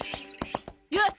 よっ！